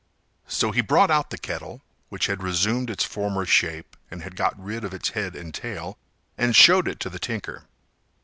So he brought out the kettle, which had resumed its former shape and had got rid of its head and tail, and showed it to the tinker.